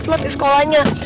tuh telat ya sekolahnya